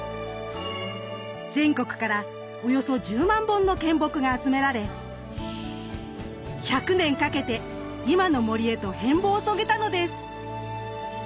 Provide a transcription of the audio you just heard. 全国からおよそ１０万本の献木が集められ１００年かけて今の森へと変貌を遂げたのです。